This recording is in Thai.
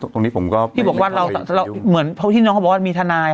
ที่ผมบอกว่าเพราะที่เจนน้องเขียนมีทนาย